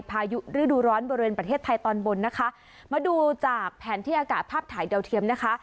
พายุฤดูร้อนบริเวณประเทศไทยตอนบนนะคะมาดูจากแผนที่อากาศภาพถ่ายดาวเทียมนะคะ